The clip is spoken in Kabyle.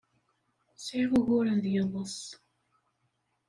Sɛiɣ uguren d yiḍes.